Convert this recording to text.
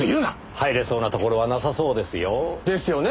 入れそうなところはなさそうですよ。ですよね。